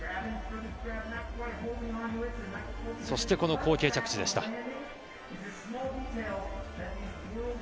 そして後傾着地でした。